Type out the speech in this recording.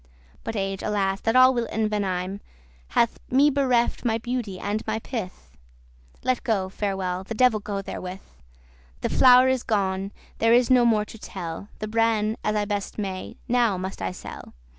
But age, alas! that all will envenime,* *poison, embitter Hath me bereft my beauty and my pith:* *vigour Let go; farewell; the devil go therewith. The flour is gon, there is no more to tell, The bran, as I best may, now must I sell.